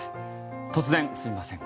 突然、すいません。